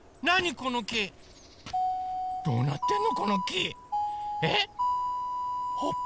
これどうなってんの？